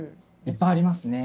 いっぱいありますね。